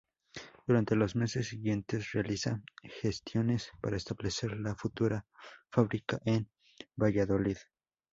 Durante los meses siguientes realiza gestiones para establecer la futura fábrica en Valladolid.